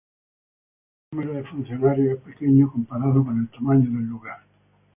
El número de funcionarios es pequeño, comparado con el tamaño del lugar.